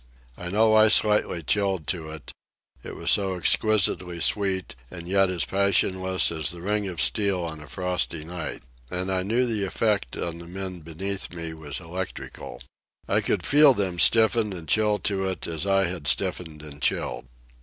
I know I slightly chilled to it—it was so exquisitely sweet and yet as passionless as the ring of steel on a frosty night. And I knew the effect on the men beneath me was electrical. I could feel them stiffen and chill to it as I had stiffened and chilled.